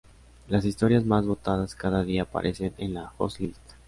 Las historias más votadas cada día aparecen en la "Hot List".